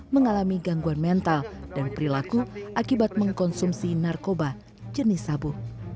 mengalami gangguan mental dan perilaku akibat mengkonsumsi narkoba jenis sabu